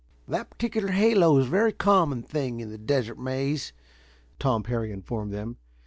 "That particular halo is a very common thing in the Desert Maze," Tom Parry informed them.